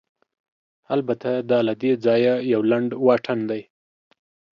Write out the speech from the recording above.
البته، دا له دې ځایه یو لنډ واټن دی.